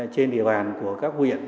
trên địa bàn của các huyện